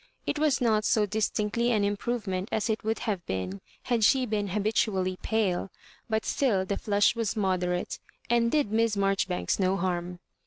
It was not so distinctly an improvement as it would have been had she been habitually pale ; but still the flush was moderate, and did Miss Mar joribanks no harm.